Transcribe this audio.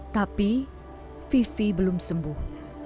tapi vivi belum sembuh